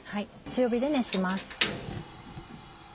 強火で熱します。